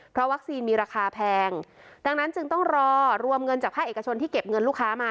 เพราะวัคซีนมีราคาแพงดังนั้นจึงต้องรอรวมเงินจากภาคเอกชนที่เก็บเงินลูกค้ามา